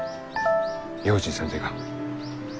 用心せんといかん。